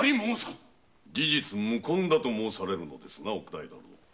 事実無根だと申されるのですな。